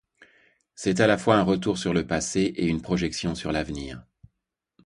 C’est à la fois un retour sur le passé et une projection sur l’avenir.